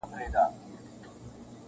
• نه زمریو نه پړانګانو سوای نیولای -